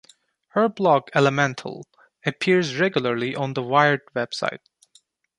Her blog "Elemental" appears regularly on the Wired website.